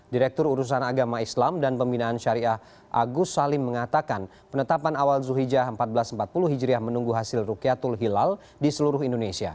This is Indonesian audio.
direktur urusan agama islam dan pembinaan syariah agus salim mengatakan penetapan awal zulhijjah seribu empat ratus empat puluh hijriah menunggu hasil rukyatul hilal di seluruh indonesia